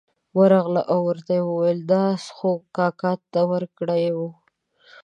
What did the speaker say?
ورغله او ورته یې وویل دا خو کاکا ته ورکړې وه.